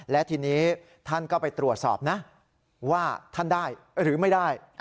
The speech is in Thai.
และทีนี้ท่านก็ไปตรวจสอบนะว่าท่านได้หรือไม่ได้